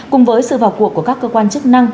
cùng với sự vào cuộc của các cơ quan chức năng